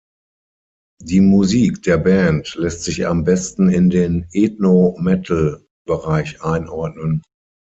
Die Musik der Band lässt sich am besten in den "Ethno Metal"-Bereich einordnen.